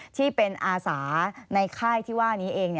ที่เป็นอาสาในค่ายที่ว่านี้เอง